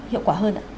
hiệu quả hơn